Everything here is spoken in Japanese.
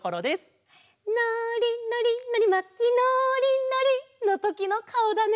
「のーりのりのりまきのーりのり」のときのかおだね！